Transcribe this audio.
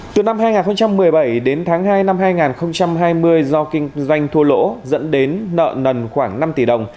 từ năm hai nghìn một mươi bảy đến tháng hai năm hai nghìn hai mươi do kinh doanh thua lỗ dẫn đến nợ nần khoảng năm tỷ đồng